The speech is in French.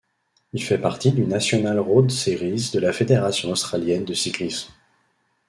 Il fait partie du National Road Series de la Fédération australienne de cyclisme.